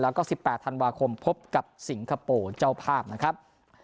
แล้วก็๑๘ธันวาคมพบกับสิงคโปร์เจ้าภาพนะครับ